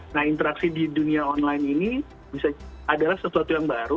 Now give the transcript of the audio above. nah interaksi di dunia online ini adalah sesuatu yang baru